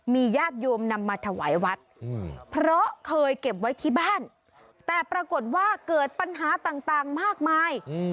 มีญาติโยมนำมาถวายวัดเพราะเคยเก็บไว้ที่บ้านแต่ปรากฏว่าเกิดปัญหาต่างมากมาย